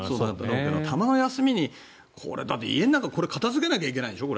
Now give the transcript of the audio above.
たまの休みに家だってこれ片付けなきゃいけないんですよ。